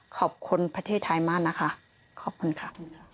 ประเทศไทยมากนะคะขอบคุณค่ะ